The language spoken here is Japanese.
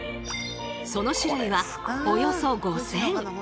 その種類はおよそ５，０００！